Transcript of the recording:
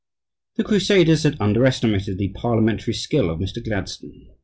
The crusaders had underestimated the parliamentary skill of Mr. Gladstone.